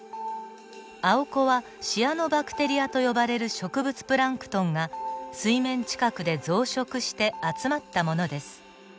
アオコはシアノバクテリアと呼ばれる植物プランクトンが水面近くで増殖して集まったものです。